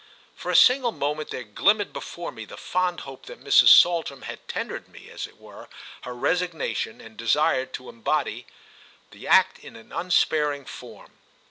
For a single moment there glimmered before me the fond hope that Mrs. Saltram had tendered me, as it were, her resignation and desired to embody the act in an unsparing form.